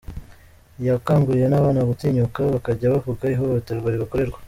Yakanguriye n’abana gutinyuka bakajya bavuga ihohoterwa ribakorerwa.